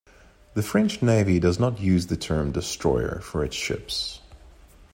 The French Navy does not use the term "destroyer" for its ships.